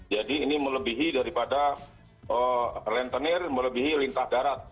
jadi ini melebihi daripada rentenir melebihi lintah darat